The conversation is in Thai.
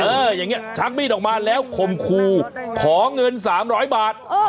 เอออย่างนี้ชักมีดออกมาแล้วคมคูขอเงินสามหรอบาท